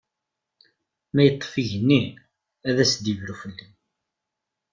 Ma yeṭṭef igenni, ad as-d-ibru fell-i!